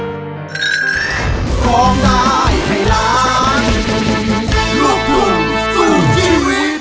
ร้องได้ให้ล้านลูกทุ่งสู้ชีวิต